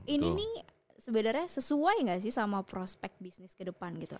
ini nih sebenarnya sesuai nggak sih sama prospek bisnis ke depan gitu